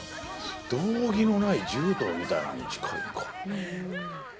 道着のない柔道みたいなんに近いんか。